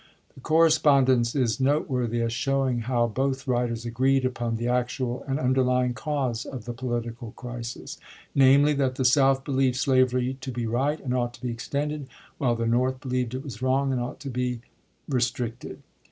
The correspond ence is noteworthy as showing how both writers agreed upon the actual and underlying cause of the political crisis — namely, that the South believed slavery to be right and ought to be extended, while the North believed it was wrong and ought to be restricted.